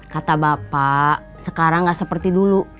kata bapak sekarang gak seperti dulu